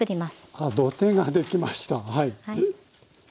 あっ土手ができましたはい。